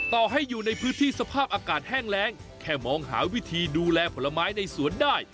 ต่อให้อยู่ในพื้นที่สภาพอากาศแห้งแรงแค่มองหาวิธีดูแลผลไม้ในสวนได้